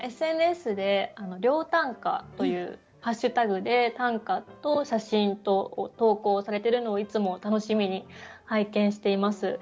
ＳＮＳで「涼短歌」というハッシュタグで短歌と写真とを投稿されてるのをいつも楽しみに拝見しています。